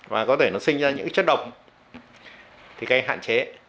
và có thể nó sinh ra những chất độc thì gây hạn chế